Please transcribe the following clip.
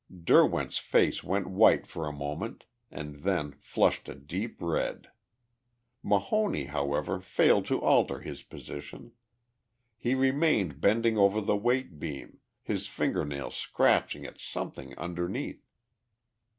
Derwent's face went white for a moment and then flushed a deep red. Mahoney, however, failed to alter his position. He remained bending over the weight beam, his finger nails scratching at something underneath.